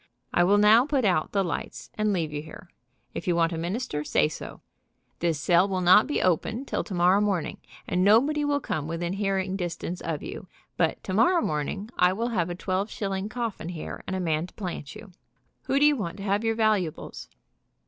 I will now put out the lights, and leave you here. If you want a minister, say so. This cell will not be opened till tomorrow morning, and nobody will come within hearing dis tance of you, but tomorrow morning z I will have a twelve shilling coffin here and a man to plant you. Who do you want to have your valuables?